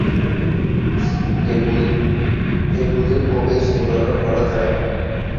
এগুলির প্রবেশ নিবারণ করা যায় না।